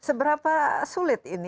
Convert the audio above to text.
seberapa sulit ini